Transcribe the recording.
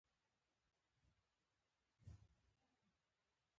خټکی له دوستانو سره خوړل خوند کوي.